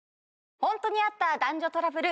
ホントにあった男女トラブル！